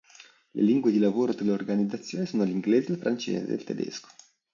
Le lingue di lavoro dell'organizzazione sono l'inglese, il francese ed il tedesco.